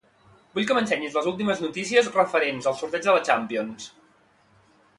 Vull que m'ensenyis les últimes notícies referents al sorteig de la Champions.